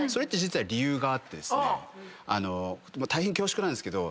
大変恐縮なんですけど。